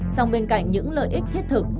xong bên cạnh những lợi ích thiết thực